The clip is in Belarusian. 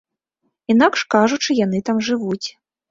Інакш кажучы, яны там жывуць.